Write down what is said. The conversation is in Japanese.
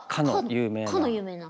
かの有名な。